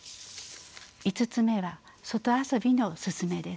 ５つ目は外遊びの勧めです。